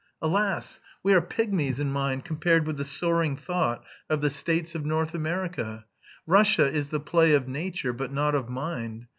Alas! we are pigmies in mind compared with the soaring thought of the States of North America. Russia is the play of nature but not of mind.